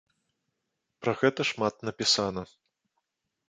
Пра гэта шмат напісана.